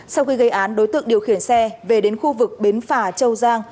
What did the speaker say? sau khi gây án đối tượng điều khiển xe về đến khu vực bến phà châu giang